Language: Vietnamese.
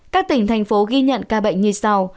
các tỉnh thành phố ghi nhận ca bệnh như sau